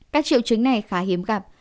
các triệu chứng này khá hiếm gặp